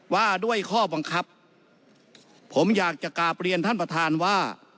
ว่าด้วยข้อบังคับผมอยากจะกราบเรียนท่านประธานว่า